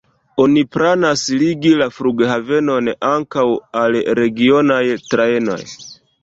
Oni planas ligi la flughavenon ankaŭ al regionaj trajnoj.